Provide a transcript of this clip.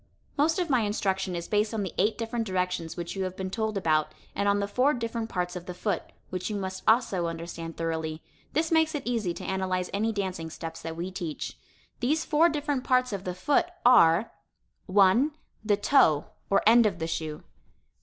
Most of my instruction is based on the eight different directions which you have been told about, and on the four different parts of the foot, which you must also understand thoroughly. This makes it easy to analyze any dancing steps that we teach. These four different parts of the foot are: 1, the toe, or end of the shoe.